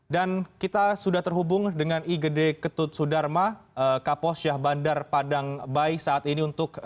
dan kita sudah terhubung dengan igd ketut sudarma kapos yah bandar padang bayi saat ini untuk